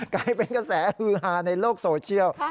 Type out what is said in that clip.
กลายเป็นกระแสฮือฮาในโลกโซเชียล